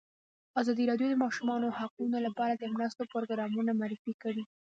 ازادي راډیو د د ماشومانو حقونه لپاره د مرستو پروګرامونه معرفي کړي.